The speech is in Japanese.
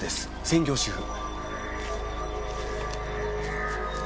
専業主婦。